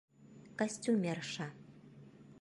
Костюмерша.